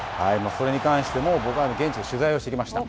それに関しても、僕は現地で取材をしてきました。